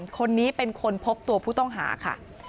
คนนี้เป็นคนพบตัวผู้ต้องหาค่ะ